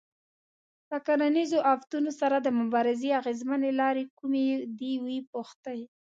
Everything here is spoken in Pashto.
له کرنیزو آفتونو سره د مبارزې اغېزمنې لارې کومې دي وپوښتئ.